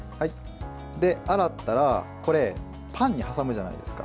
洗ったらこれ、パンに挟むじゃないですか。